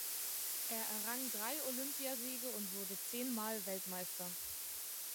Er errang drei Olympiasiege und wurde zehn Mal Weltmeister.